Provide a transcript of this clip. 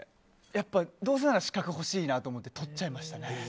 どうせなら資格が欲しいなと思って取っちゃいましたね。